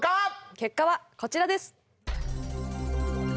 結果はこちらです。